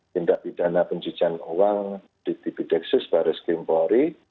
pindah pidana penciptaan uang di tpdxs baris kempori